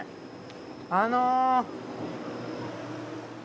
あの。